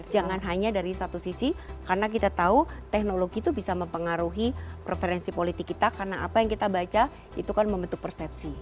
jangan hanya dari satu sisi karena kita tahu teknologi itu bisa mempengaruhi preferensi politik kita karena apa yang kita baca itu kan membentuk persepsi